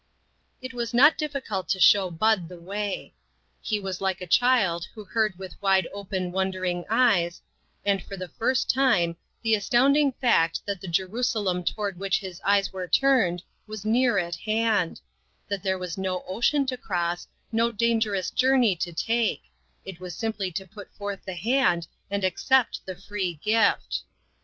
It was not difficult to show Bud the way. He was like a child who heard with wide open wondering eyes, and for the first time, the astounding fact that the Jerusalem to ward which his eyes were turned was near at hand ; that there was no ocean to cross, no dangerous journey to take ; it was sim ply to put forth the hand and accept the free gift.